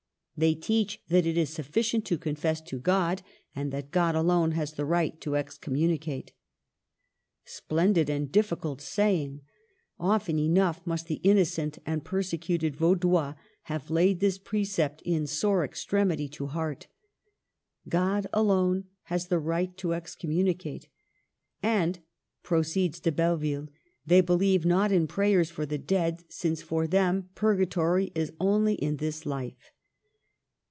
They teach that it is sufficient to confess to God, and that God alone has the right to excommunicate." Splendid and difficult saying ! Often enough must the innocent and persecuted Vaudois have laid this precept, in sore extremity, to heart, —" God alone has the right to excommunicate." *'And," proceeds De Belleville, ''they believe not in prayers for the dead, since for them pur gatory is only in this life."